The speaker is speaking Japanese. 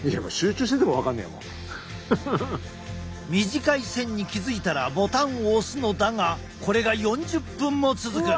短い線に気付いたらボタンを押すのだがこれが４０分も続く。